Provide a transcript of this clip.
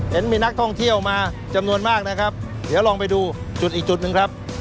เห็นมีนักท่องเที่ยวมาจำนวนมากนะครับเดี๋ยวลองไปดูจุดอีกจุดหนึ่งครับ